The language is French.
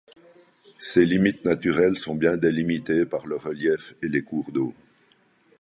Ses limites naturelles sont bien délimitées par le relief et les cours d'eau.